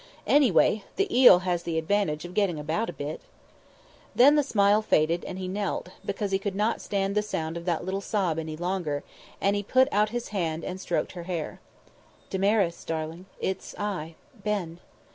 Anyway, the eel has the advantage of getting about a bit! Then the smiled faded, and he knelt, because he could not stand the sound of that little sob any longer, and he put out his hand and stroked her hair. "Damaris, darling, it's I Ben!"